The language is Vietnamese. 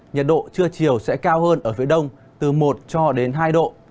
nhiệt độ trưa chiều sẽ cao hơn ở phía đông từ một cho đến hai độ